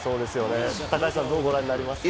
高橋さん、どうご覧になりますか？